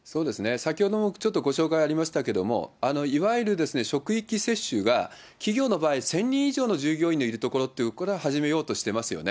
先ほどもちょっとご紹介ありましたけれども、いわゆるですね、職域接種が、企業の場合、１０００人以上の従業員のいるところっていうところから始めようとしていますよね。